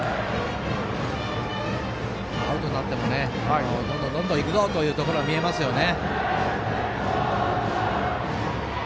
アウトになってもどんどんいくぞというところが見えますよね。